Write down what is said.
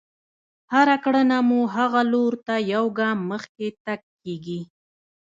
هره کړنه مو هغه لور ته يو ګام مخکې تګ کېږي.